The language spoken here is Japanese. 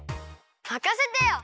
まかせてよ！